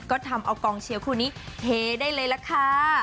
ก็ทำเอากองเชียร์คู่นี้เฮได้เลยล่ะค่ะ